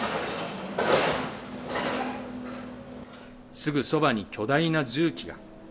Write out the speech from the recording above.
すぐそばに巨大な重機が。